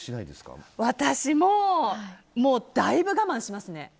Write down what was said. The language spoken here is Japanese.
私もだいぶ我慢しますね。